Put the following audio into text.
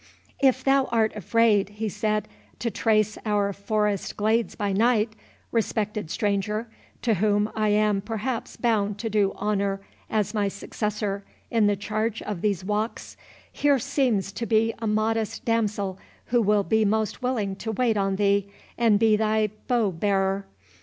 "If thou art afraid," he said, "to trace our forest glades by night, respected stranger, to whom I am perhaps bound to do honour as my successor in the charge of these walks, here seems to be a modest damsel, who will be most willing to wait on thee, and be thy bow bearer.